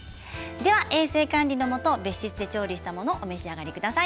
では、衛生管理のもと別室で調理したものをお召し上がりください。